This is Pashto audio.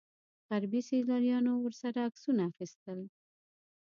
غربي سیلانیانو ورسره عکسونه اخیستل.